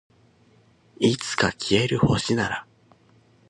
いつか消える星なら